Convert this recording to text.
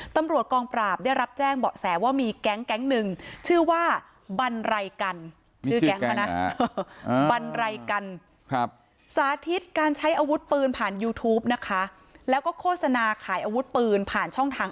ตำรวจกองปราบได้รับแจ้งเบาะแสว่ามีแก๊งแก๊งหนึ่ง